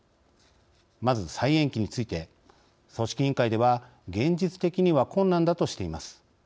まず再延期について組織委員会では現実的には困難だとしています。